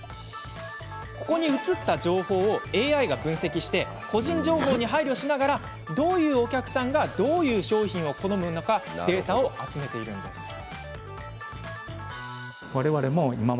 ここに写った情報をＡＩが分析して個人情報に配慮しながらどういうお客さんがどういう商品を好むのかデータを集めているんです。